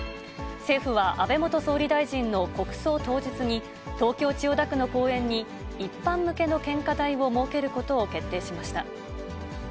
政府は安倍元総理大臣の国葬当日に、東京・千代田区の公園に一般向けの献花台を設けることを決定しました。